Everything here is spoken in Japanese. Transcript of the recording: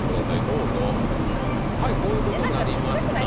どうぞはいこういうことになりました